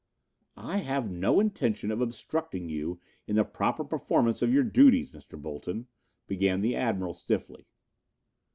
"I have no intention in obstructing you in the proper performance of your duties, Mr. Bolton," began the Admiral stiffly.